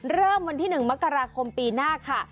เริ่มวันที่๑มกราคมปีหน้าค่ะ